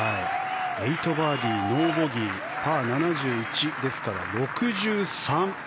８バーディー、ノーボギーパー７１ですから、６３。